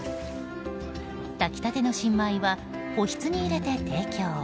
炊き立ての新米はおひつに入れて提供。